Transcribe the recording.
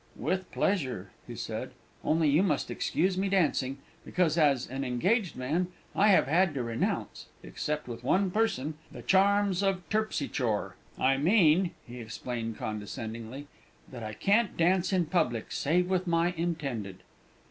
"With pleasure," he said; "only you must excuse me dancing, because, as an engaged man, I have had to renounce (except with one person) the charms of Terpsy chore. I mean," he explained condescendingly, "that I can't dance in public save with my intended."